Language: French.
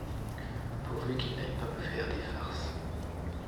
Pourvu qu’il n’aille pas me faire des farces…